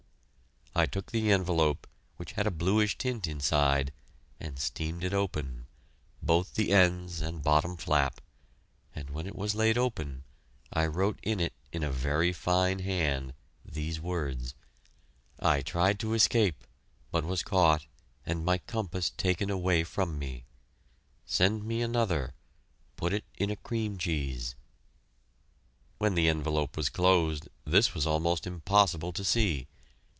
I took the envelope, which had a bluish tint inside and steamed it open, both the ends and bottom flap, and when it was laid open, I wrote in it in a very fine hand, these words: "I tried to escape, but was caught and my compass taken away from me. Send me another; put it in a cream cheese." When the envelope was closed, this was almost impossible to see.